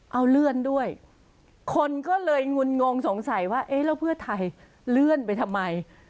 เอาเลื่อนด้วยคนก็เลยงุนงงสงสัยว่าเอ๊ะแล้วเพื่อไทยเลื่อนไปทำไม